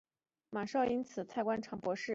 马韶因此官至太常博士。